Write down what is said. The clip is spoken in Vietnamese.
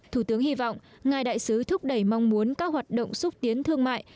thủ tướng hy vọng ngài đại sứ thúc đẩy mong muốn các hoạt động xúc tiến thương mại